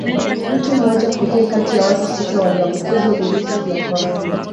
Mtu mmoja pekee kati ya watu sita walioambukizwa virusi vya Corona